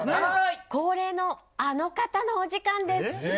恒例のあの方のお時間です。